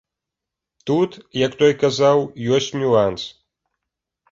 Тут, як той казаў, ёсць нюанс.